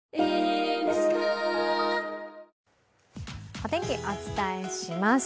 お天気、お伝えします。